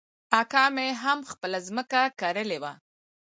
اکا مې هم خپله ځمکه کرلې وه.